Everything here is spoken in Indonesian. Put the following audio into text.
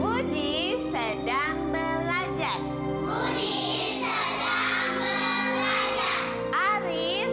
budi sedang belajar